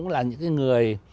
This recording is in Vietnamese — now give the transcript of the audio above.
là những cái người